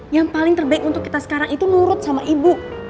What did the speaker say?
yang paling terbaik untuk kita sekarang itu nurut sama ibu